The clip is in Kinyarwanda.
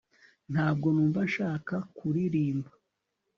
ntabwo numva nshaka kuririmba